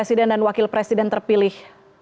presiden dan wakil presiden terpilih dua ribu sembilan belas